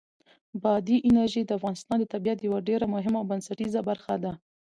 بادي انرژي د افغانستان د طبیعت یوه ډېره مهمه او بنسټیزه برخه ده.